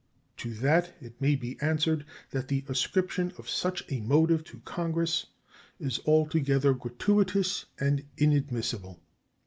To that it may be answered that the ascription of such a motive to Congress is altogether gratuitous and inadmissible.